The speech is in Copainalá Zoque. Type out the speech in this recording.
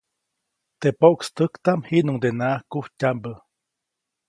Teʼ pokstäjtaʼm jiʼnuŋdenaʼak kujtyaʼmbä.